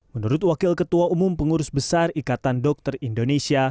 menurut wakil ketua umum pengurus besar ikatan dokter indonesia